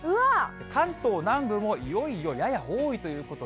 関東南部もいよいよやや多いということで。